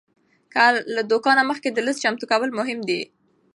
له دوکانه مخکې د لیست چمتو کول مهم دی.